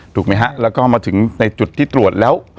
ถูกไหมฮะแล้วก็มาถึงในจุดที่ตรวจแล้ว